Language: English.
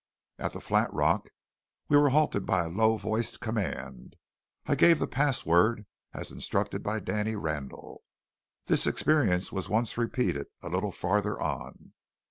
At the Flat Rock we were halted by a low voiced command. I gave the password, as instructed by Danny Randall. This experience was once repeated, a little farther on.